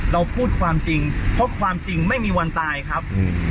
เราพูดความจริงเพราะความจริงไม่มีวันตายครับ